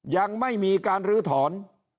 ยังไม่มีการลื้อถอน